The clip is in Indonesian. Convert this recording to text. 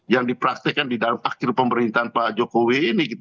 yang dipraktekkan di dalam akhir pemerintahan pak jokowi ini